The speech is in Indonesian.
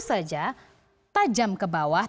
saja tajam ke bawah